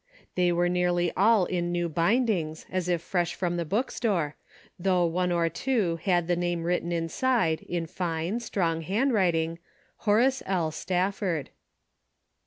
They were nearly all in new bindings as if fresh from the bookstore, though one or two had the name written inside in fine, strong handwriting Horace L. Stafford."